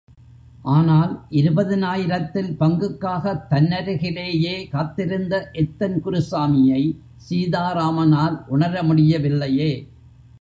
ஆனால் இருபதினாயிரத்தில் பங்குக்காகத் தன்னருகிலேயே காத்திருந்த எத்தன் குருசாமியை சீதாராமனால் உணரமுடியவில்லையே!